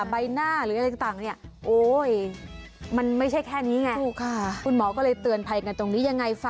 ใบหน้าหรืออะไรต่างเนี่ย